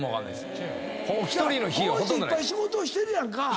いっぱい仕事してるやんか。